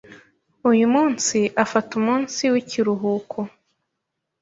Uyu munsi afata umunsi w'ikiruhuko.